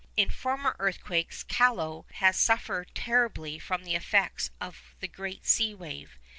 In former earthquakes Callao has suffered terribly from the effects of the great sea wave.